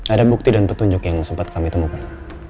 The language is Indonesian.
ada bukti dan petunjuk yang sempat kami temukan